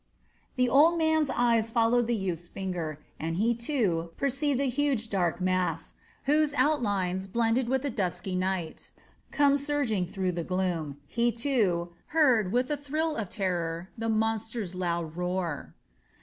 The old man's eyes followed the youth's finger, and he, too, perceived a huge, dark mass, whose outlines blended with the dusky night, come surging through the gloom; he, too, heard, with a thrill of terror, the monster's loud roar.